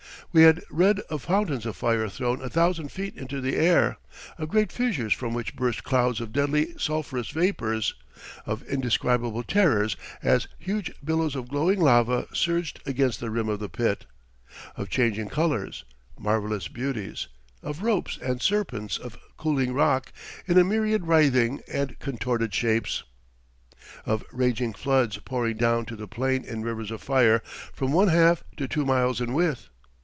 " We had read of fountains of fire thrown a thousand feet into the air, of great fissures from which burst clouds of deadly sulphurous vapours, of indescribable terrors as huge billows of glowing lava surged against the rim of the pit, of changing colours, marvelous beauty, of ropes and serpents of cooling rock in a myriad writhing and contorted shapes, of raging floods pouring down to the plain in rivers of fire from one half to two miles in width.